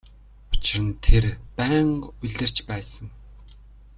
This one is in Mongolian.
Учир нь тэр байнга улирч байсан.